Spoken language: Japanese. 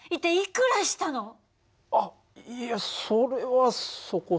あっいやそれはそこそこ。